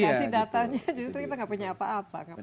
kita kasih datanya justru kita gak punya apa apa